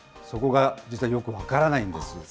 そこが実はよく分からないんです。